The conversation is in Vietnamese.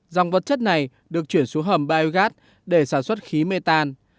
ròng vật chất này được chuyển xuống hầm biogas để sản xuất khí mê tan